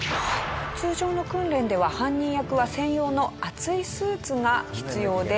通常の訓練では犯人役は専用の厚いスーツが必要で。